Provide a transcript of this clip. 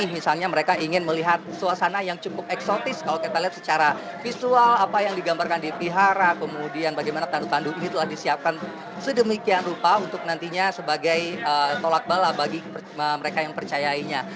misalnya mereka ingin melihat suasana yang cukup eksotis kalau kita lihat secara visual apa yang digambarkan di pihara kemudian bagaimana tandu tandu ini telah disiapkan sedemikian rupa untuk nantinya sebagai tolak bala bagi mereka yang percayainya